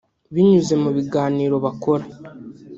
binyuze mu biganiro bakora